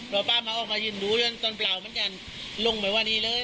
เมื่อป้ามาออกมายืนดูตอนเปล่ามันจะลงไปว่านี้เลย